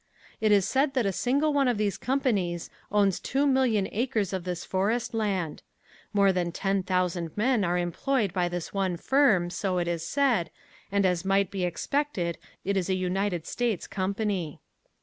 It is said that a single one of these companies owns two million acres of this forest land. More than ten thousand men are employed by this one firm, so it is said, and as might be expected it is a United States company.